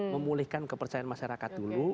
memulihkan kepercayaan masyarakat dulu